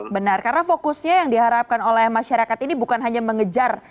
benar karena fokusnya yang diharapkan oleh masyarakat ini bukan hanya mengejar